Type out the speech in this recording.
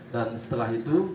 dan setelah itu